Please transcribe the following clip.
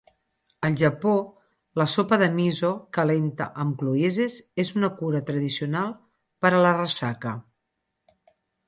Al Japó, la sopa de miso calenta amb cloïsses és una cura tradicional per a la ressaca.